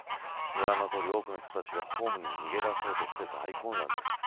ご覧のとおり、多くの人たちがホームに逃げ出そうとして大混乱です。